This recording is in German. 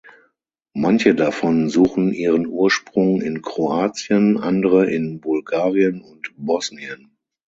Manche davon suchen ihren Ursprung in Kroatien, andere in Bulgarien und Bosnien.